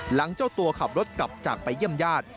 เจ้าตัวขับรถกลับจากไปเยี่ยมญาติ